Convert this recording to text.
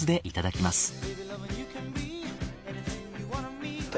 いただきます。